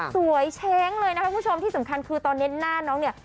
เช้งเลยนะคะคุณผู้ชมที่สำคัญคือตอนนี้หน้าน้องเนี่ย